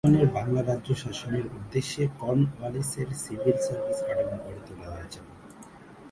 কোম্পানির বাংলা রাজ্য শাসনের উদ্দেশ্যেই কর্নওয়ালিসের সিভিল সার্ভিস কাঠামো গড়ে তোলা হয়েছিল।